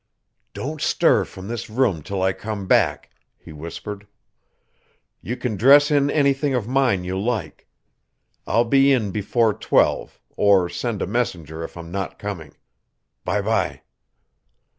"Don't stir from this room till I come back," he whispered. "You can dress in anything of mine you like. I'll be in before twelve, or send a messenger if I'm not coming. By by."